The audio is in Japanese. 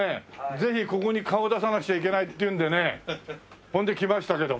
ぜひここに顔を出さなくちゃいけないっていうんでねほんで来ましたけども。